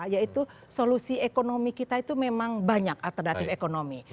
yaitu solusi ekonomi kita itu memang banyak alternatif ekonomi